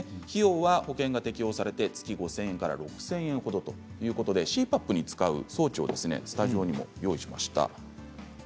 費用は保険が適用されて月に５０００円から６０００円ほどということでＣＰＡＰに使う装置をスタジオにも用意しました。